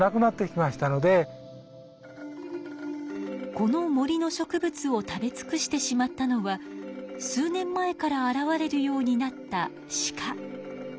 この森の植物を食べつくしてしまったのは数年前から現れるようになったシカ。